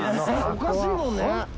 おかしいもんね